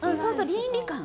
倫理観。